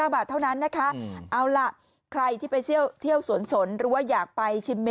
๒๕๙บาทเท่านั้นนะคะ